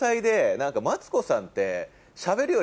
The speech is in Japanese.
マツコさんって。